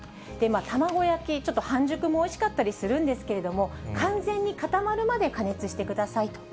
卵焼き、ちょっと半熟もおいしかったりするんですけども、完全に固まるまで加熱してくださいと。